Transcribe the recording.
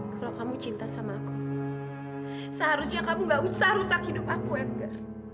kalau kamu cinta sama aku seharusnya kamu gak usah rusak hidup aku ya enggak